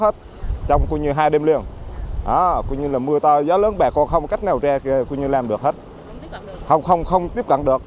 trong hai đêm lương mưa to gió lớn bà con không cách nào ra làm được hết không tiếp cận được